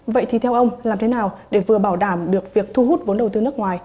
vậy thì theo ông làm thế nào để vừa bảo đảm được việc thu hút vốn đầu tư nước ngoài